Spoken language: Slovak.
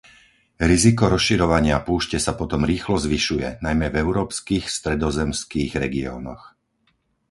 Riziko rozširovania púšte sa potom rýchlo zvyšuje, najmä v európskych stredozemských regiónoch.